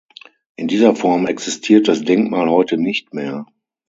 In dieser Form existiert das Denkmal heute nicht mehr.